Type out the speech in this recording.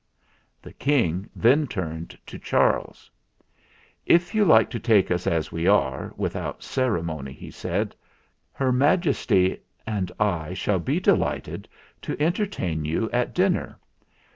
The King then turned to Charles. "If you like to take us as we are, without ceremony," he said, "Her Majesty and I shall be delighted to entertain you at dinner.